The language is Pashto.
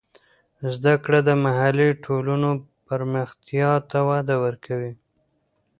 زده کړه د محلي ټولنو پرمختیا ته وده ورکوي.